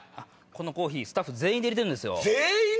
このコーヒースタッフ全員で入れてるんですよ。